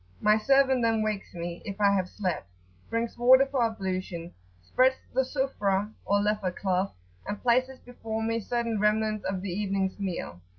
My servant then wakes me, if I have slept; brings water for ablution, spreads the Sufrah[FN# 3] (or leather cloth); and places before me certain remnants of the evening's meal.